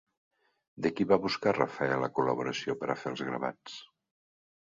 De qui va buscar Rafael la col·laboració per a fer els gravats?